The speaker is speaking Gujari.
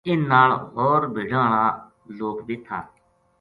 ان نال ہور بھیڈاں ہالا لوک بے تھا